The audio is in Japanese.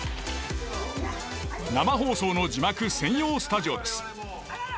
生放送の字幕専用スタジオです。